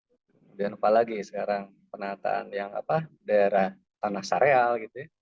kemudian apalagi sekarang penataan yang daerah tanah sareal